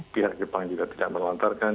pihak jepang juga tidak melontarkan